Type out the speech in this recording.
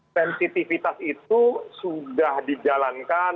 sensitivitas itu sudah dijalankan